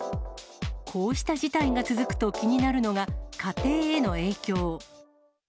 こうした事態が続くと気になるのが、家庭への影響。